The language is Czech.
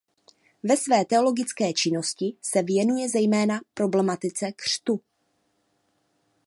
Ve své teologické činnosti se věnuje zejména problematice křtu.